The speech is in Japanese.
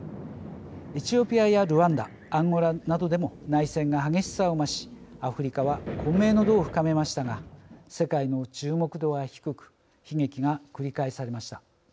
エチオピアやルワンダアンゴラなどでも内戦が激しさを増しアフリカは混迷の度を深めましたが世界の注目度は低く悲劇が繰り返されました。